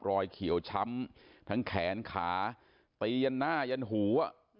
รอยเขียวช้ำทั้งแขนขาตียันหน้ายันหูอ่ะ